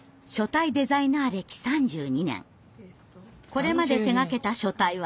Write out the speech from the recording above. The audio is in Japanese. これまで手がけた書体は。